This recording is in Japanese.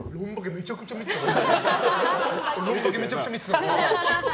めちゃくちゃ見てたから。